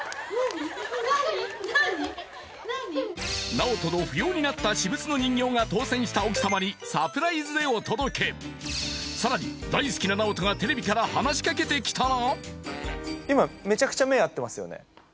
ＮＡＯＴＯの不要になった私物の人形が当選した奥様にサプライズでお届けさらに大好きなＮＡＯＴＯがテレビから話しかけてきたら？